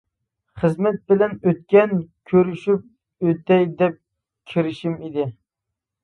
خىزمەت بىلەن ئۆتكەن، كۆرۈشۈپ ئۆتەي دەپ كىرىشىم ئىدى.